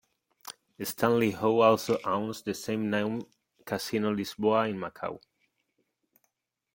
Stanley Ho also owns the same-name Casino Lisboa in Macau.